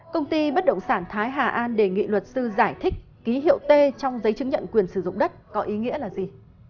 công ty bất động sản thái hà an đề nghị luật sư giải thích ký hiệu t trong giấy chứng nhận quyền sử dụng đất có ý nghĩa là gì